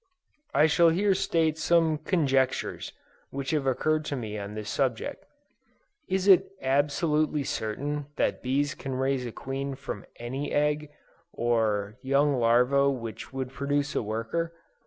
I shall here state some conjectures which have occurred to me on this subject. Is it absolutely certain that bees can raise a queen from any egg or young larva which would produce a worker?